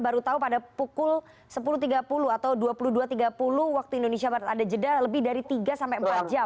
baru tahu pada pukul sepuluh tiga puluh atau dua puluh dua tiga puluh waktu indonesia barat ada jeda lebih dari tiga sampai empat jam